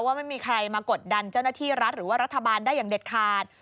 ว่าไม่มีใครมากดดันเจ้าหน้าที่รัฐหรือว่ารัฐบาลได้อย่างเด็ดขาด